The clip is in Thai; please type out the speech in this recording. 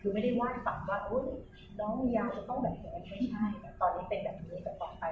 คือไม่ได้ว่าฟังว่าน้องยาวจะต้องแบบนี้ไม่ใช่